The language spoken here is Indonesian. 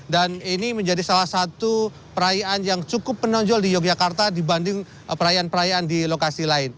dan ini menjadi salah satu perayaan yang cukup menonjol di yogyakarta dibanding perayaan perayaan di lokasi lain